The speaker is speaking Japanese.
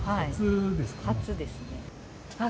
初ですか？